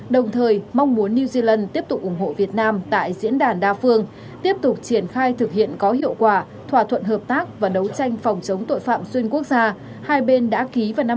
đồng thời mong muốn new zealand tiếp tục ủng hộ việt nam tại diễn đàn đa phương tiếp tục triển khai thực hiện có hiệu quả thỏa thuận hợp tác và đấu tranh phòng chống tội phạm xuyên quốc gia hai bên đã ký vào năm hai nghìn một mươi